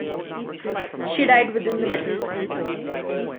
She died within minutes.